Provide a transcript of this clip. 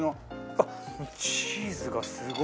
あっチーズがすごい。